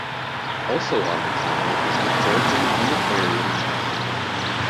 Also on the Tye is the Georgian Unitarian Chapel.